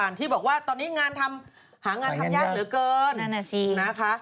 อย่างที่บอกว่าตอนนี้หางานทำยากเหลือเกิน